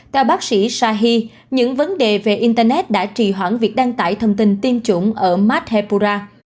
theo bác sĩ shahi những vấn đề về internet đã trì hoãn việc đăng tải thông tin tiêm chủng ở madhepura